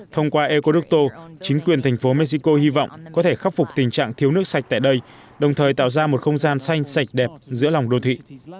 thông qua ecoducto chính quyền thành phố mexico hy vọng có thể khắc phục tình trạng thiếu nước sạch tại đây đồng thời tạo ra một không gian xanh sạch đẹp giữa lòng đô thị